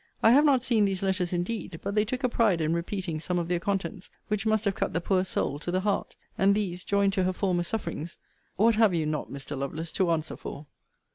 I have not seen these letters indeed; but they took a pride in repeating some of their contents, which must have cut the poor soul to the heart; and these, joined to her former sufferings, What have you not, Mr. Lovelace, to answer for?